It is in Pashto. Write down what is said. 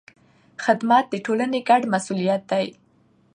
خدمت د ټولنې ګډ مسوولیت دی.